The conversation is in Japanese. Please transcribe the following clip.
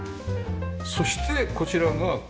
そしてこちらが。